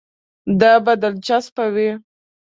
دا به دلچسپه وي.